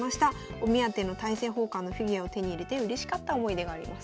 お目当ての大政奉還のフィギュアを手に入れてうれしかった思い出がありますと。